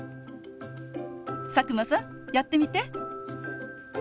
佐久間さんやってみて。